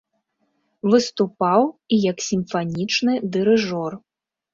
Выступаў і як сімфанічны дырыжор.